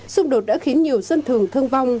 xung đột đã khiến nhiều dân thường thương vong